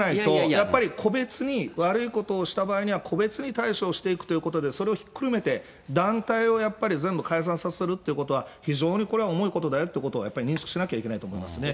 やっぱり個別に悪いことをした場合は、個別に対処していくということで、それをひっくるめて、団体をやっぱり全部解散させるってことは、非常にこれは重いことだよっていうことをやっぱり認識しなきゃいけないと思いますね。